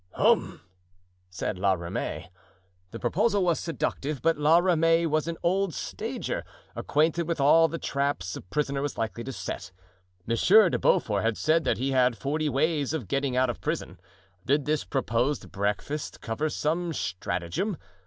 "Hum!" said La Ramee. The proposal was seductive, but La Ramee was an old stager, acquainted with all the traps a prisoner was likely to set. Monsieur de Beaufort had said that he had forty ways of getting out of prison. Did this proposed breakfast cover some stratagem?